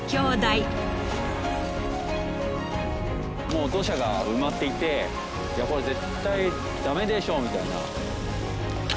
もう土砂が埋まっていていやこれ絶対ダメでしょみたいな。